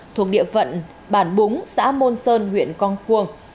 thuộc địa phận bản búng xã môn sơn huyện con cuông